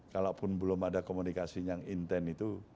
kalaupun belum ada komunikasi yang intent itu